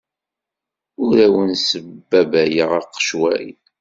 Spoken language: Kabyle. Ur awen-sbabbayeɣ aqecwal.